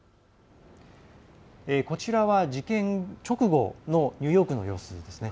こちらは事件直後のニューヨークの様子ですね。